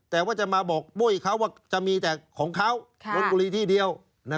แต่ว่าจะมาบอกปุ้ยเขาว่าจะมีแต่ของเขาลนบุรีที่เดียว